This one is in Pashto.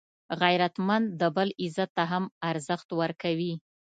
غیرتمند د بل عزت ته هم ارزښت ورکوي